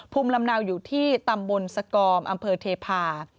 พุ่มลำเนาอยู่ที่ตำบลสกอมอเทพา